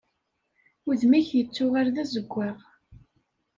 Udem-ik yettuɣal d azeggaɣ.